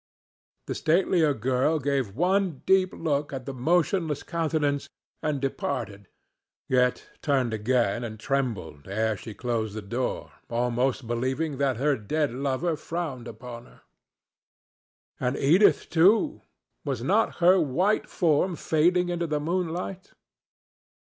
The statelier girl gave one deep look at the motionless countenance and departed, yet turned again and trembled ere she closed the door, almost believing that her dead lover frowned upon her. And Edith, too! Was not her white form fading into the moonlight?